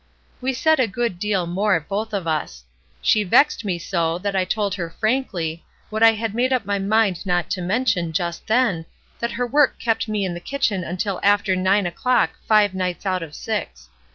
''We said a good deal more, both of us. She vexed me so that I told her frankly, what I had made up my mind not to mention, just then, that her work kept me in the kitchen until after nine o'clock five nights out of six.